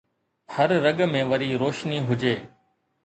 هر رڳ ۾ وري روشني هجي